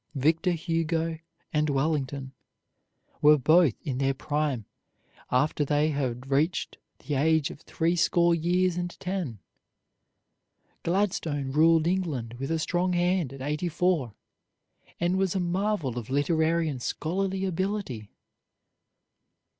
Victor Hugo and Wellington were both in their prime after they had reached the age of threescore years and ten. Gladstone ruled England with a strong hand at eighty four, and was a marvel of literary and scholarly ability.